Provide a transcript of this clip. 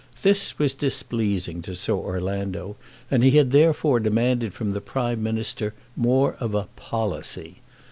This was displeasing to Sir Orlando, and he had, therefore, demanded from the Prime Minister more of a "policy."